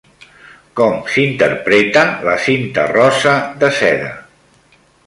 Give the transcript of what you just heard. Com s'interpreta la cinta rosa de seda?